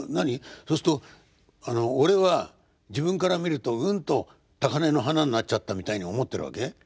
そうすると俺は自分から見るとうんと「高根の花」になっちゃったみたいに思ってるわけ？